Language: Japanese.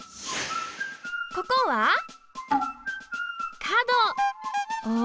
ここはお？